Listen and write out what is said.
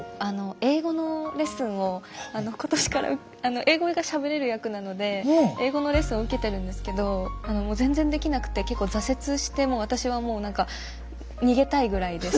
英語のレッスンを今年から英語がしゃべれる役なので英語のレッスンを受けてるんですけどもう全然できなくて結構挫折してもう私はもう逃げたいぐらいです